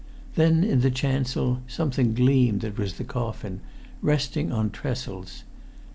Then in the chancel something gleamed: that was the coffin, resting on trestles.